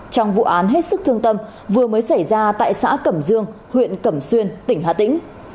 trong vụ án hết sức thương tâm vừa mới xảy ra tại xã cẩm dương huyện cẩm xuyên tỉnh hà tĩnh